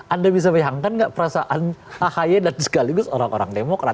anda bisa bayangkan gak perasaan ahaya dan segalanya itu orang orang demokrat